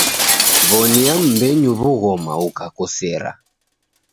W'onia mmbenyu w'ughoma ukakukosera.